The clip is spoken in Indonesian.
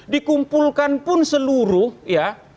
dikumpulkan pun seluruh ya